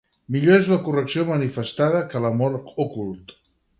Millor és la correcció manifestada, que l'amor ocult.